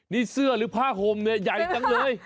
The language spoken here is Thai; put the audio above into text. นี่เสื้อหรือผ้าห่มเนี่ยใหญ่จังเลย